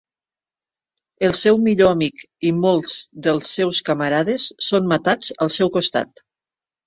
El seu millor amic i molts dels seus camarades són matats al seu costat.